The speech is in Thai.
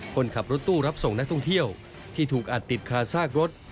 คนขับรถตู้รับส่งนักท่องเที่ยวที่ถูกอัดติดคาซากรถ